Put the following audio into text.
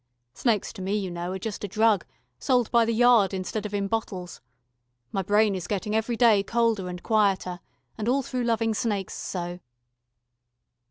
Snakes to me, you know, are just a drug, sold by the yard instead of in bottles. My brain is getting every day colder and quieter, and all through loving snakes so."